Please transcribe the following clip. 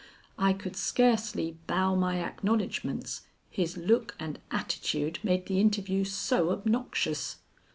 I could scarcely bow my acknowledgments, his look and attitude made the interview so obnoxious.